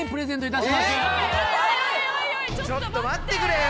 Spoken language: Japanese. ちょっと待ってくれよ！